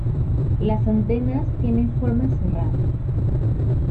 Las antenas tiene forma serrada.